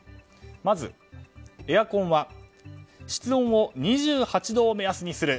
まず、エアコンは室温を２８度を目安にする。